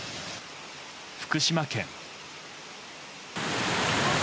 福島県。